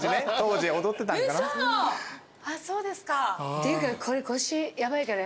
っていうかこれ腰ヤバいから。